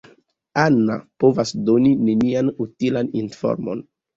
Anna povas doni nenian utilan informon.